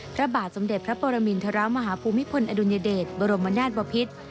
พระบาทสมเด็จพระปรมินทรมาฮภูมิพลอดุลยเดชบรมนาศบพิษ